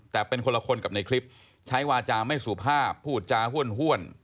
แต่เป็นคนละคนกับในคลิปใช้วาจาไม่สุภาพพูดจาห้วน